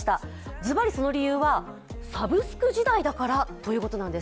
ずばり、その理由はサブスク時代だからということなんです。